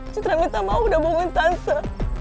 cintra minta maaf udah bohongin tante